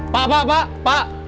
pak pak pak